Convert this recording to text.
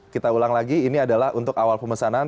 kita ulang lagi ini adalah untuk awal pemesanan